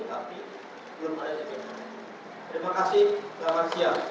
tapi belum ada kejadian lainnya